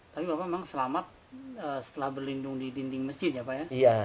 tapi bapak memang selamat setelah berlindung di dinding masjid ya pak ya